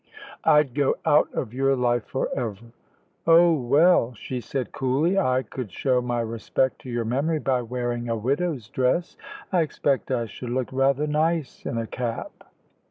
"I'd go out of your life for ever." "Oh, well," she said coolly; "I could show my respect to your memory by wearing a widow's dress. I expect I should look rather nice in a cap."